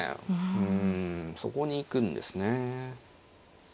うんそこに行くんですね。